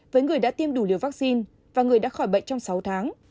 với người đã tiêm đủ liều vaccine và người đã khỏi bệnh trong sáu tháng